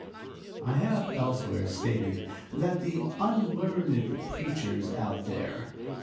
(I have elsewhere stated that the unlearned preachers out there